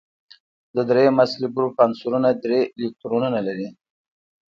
د دریم اصلي ګروپ عنصرونه درې الکترونونه لري.